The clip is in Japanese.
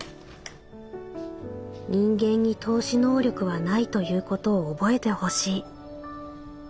「人間に透視能力はないということを覚えてほしい」。